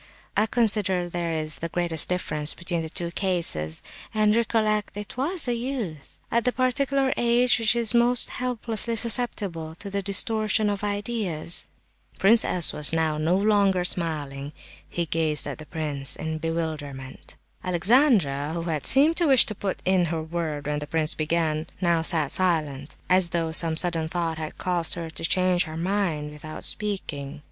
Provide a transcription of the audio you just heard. I consider there is the greatest difference between the two cases. And recollect—it was a youth, at the particular age which is most helplessly susceptible to the distortion of ideas!" Prince S. was now no longer smiling; he gazed at the prince in bewilderment. Alexandra, who had seemed to wish to put in her word when the prince began, now sat silent, as though some sudden thought had caused her to change her mind about speaking.